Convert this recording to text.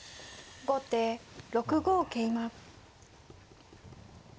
後手６五桂馬。